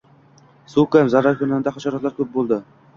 Suv kam, zararkunanda hasharotlar koʻp boʻldi.